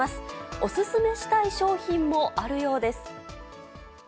お勧めしたい商品もあるようです。